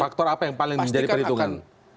faktor apa yang paling menjadi perhitungan